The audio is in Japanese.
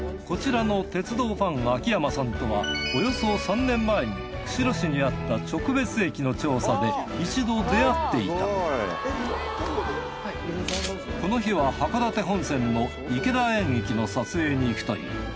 こちらの鉄道ファン秋山さんとはおよそ３年前に釧路市にあった直別駅の調査で一度出会っていたこの日は函館本線の池田園駅の撮影にいくという。